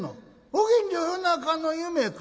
「ご近所夜中の夢か？